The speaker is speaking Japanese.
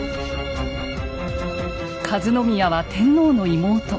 和宮は天皇の妹。